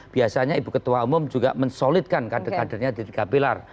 biasanya ibu ketua umum juga mensolidkan kadernya di kapilar